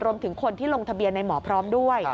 รวมถึงคนที่ลงทะเบียนในหมอพร้อมด้วย